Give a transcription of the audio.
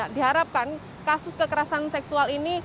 diharapkan kasus kekerasan seksual ini